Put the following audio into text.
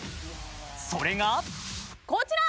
それがこちら！